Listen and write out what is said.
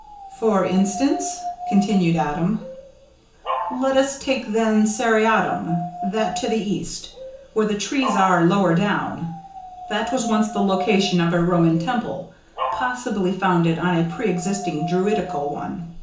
"For instance?" continued Adam. "Let us take them seriatim. That to the east, where the trees are, lower down that was once the location of a Roman temple, possibly founded on a pre existing Druidical one.